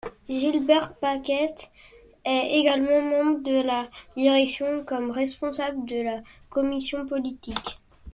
Gilbert Paquette est également membre de la direction comme responsable de la commission politique.